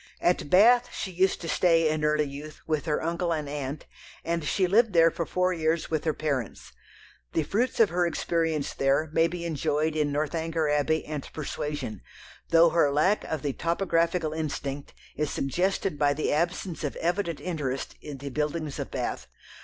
At Bath she used to stay in early youth with her uncle and aunt, and she lived there for four years with her parents. The fruits of her experience there may be enjoyed in Northanger Abbey and Persuasion, though her lack of the topographical instinct is suggested by the absence of evident interest in the buildings of Bath.